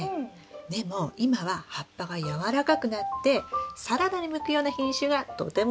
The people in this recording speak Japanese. でも今は葉っぱが軟らかくなってサラダに向くような品種がとても人気なんです。